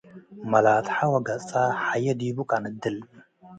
መላትሐ ወገጸ - ሐዬ ዲቡ ቀነድል